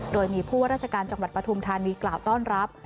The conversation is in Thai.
โดยมีผู้ว่าราชการจังหวัดปฐุมธานีกล่าวต้อนรับ